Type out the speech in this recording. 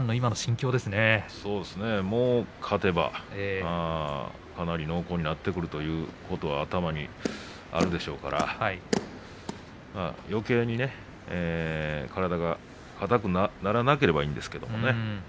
きょう勝てばかなり濃厚になってくるということは頭にあるでしょうからよけいに体が硬くならなければいいんですけれどね。